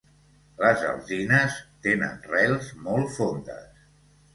Les alzines tenen rels molt fondes.